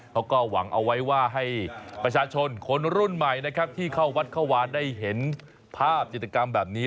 เขาก็หวังเอาไว้ว่าให้ประชาชนคนรุ่นใหม่นะครับที่เข้าวัดเข้าวานได้เห็นภาพจิตกรรมแบบนี้